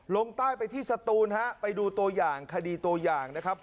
ลงใต้ไปที่สตูนฮะไปดูตัวอย่างคดีตัวอย่างนะครับ